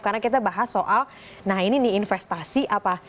karena kita bahas soal nah ini nih investasi apa